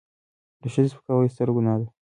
د ښځې سپکاوی ستره ګناه ده.